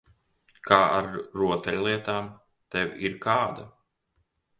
Kā ar rotaļlietām? Tev ir kāda?